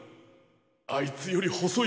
あいつよりほそい